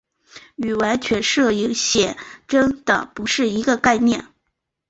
与完全摄影写真的不是一个概念。